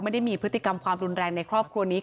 ไม่ได้มีพฤติกรรมความรุนแรงในครอบครัวนี้